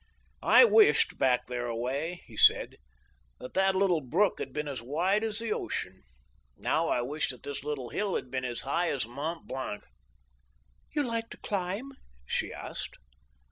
"I wished, back there a way," he said, "that that little brook had been as wide as the ocean—now I wish that this little hill had been as high as Mont Blanc." "You like to climb?" she asked.